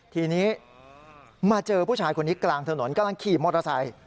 ทีนี้มาเจอผู้ชายคนนี้กลางถนนกำลังขี่มอเตอร์ไซค์